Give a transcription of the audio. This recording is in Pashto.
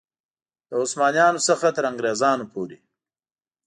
له عثمانیانو څخه تر انګرېزانو پورې.